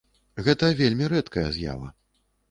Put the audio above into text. Гэта вельмі рэдкая з'ява.